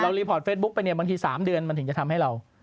รีพอร์ตเฟซบุ๊คไปเนี่ยบางที๓เดือนมันถึงจะทำให้เรา